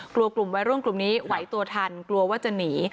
กลุ่มวัยรุ่นกลุ่มนี้ไหวตัวทันกลัวว่าจะหนี